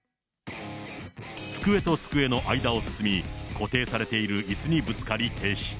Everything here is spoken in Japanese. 机と机の間を進み、固定されているいすにぶつかり停止。